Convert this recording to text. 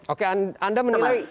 oke anda menilai